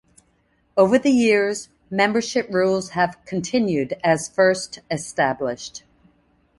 Over the years, membership rules have continued as first established.